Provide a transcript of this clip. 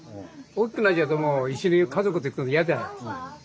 大きくなっちゃうともう一緒に家族と行くの嫌じゃないですか。